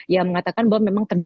yang mengatakan bahwa memang terjadi